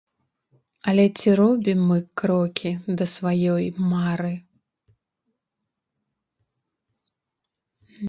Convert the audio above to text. Але ці робім мы крокі да сваёй мары?